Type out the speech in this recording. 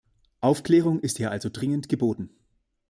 Aufklärung ist hier also dringend geboten.